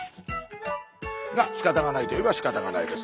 しかたがないといえばしかたがないです。